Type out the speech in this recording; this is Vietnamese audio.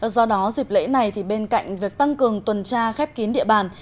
do đó dịp lễ này thì bên cạnh việc tăng cường tuần tra khép kín địa bàn